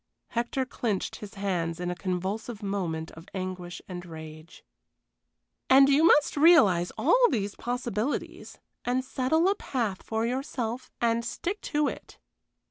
Hector clinched his hands in a convulsive movement of anguish and rage. "And you must realize all these possibilities, and settle a path for yourself and stick to it."